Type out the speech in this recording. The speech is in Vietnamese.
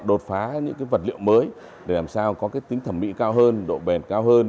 đột phá những vật liệu mới để làm sao có tính thẩm mỹ cao hơn độ bền cao hơn